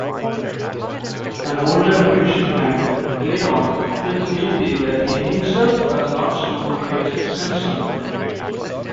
An older midshipman, Clayton, feels guilty that he himself has not stood against Simpson.